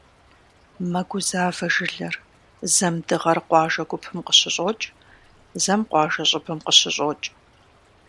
Мэгузавэ жылэр: зэм дыгъэр къуажэ гупэм къыщыщӀокӀ, зэм къуажэ щӀыбым къыщыщӀокӀ.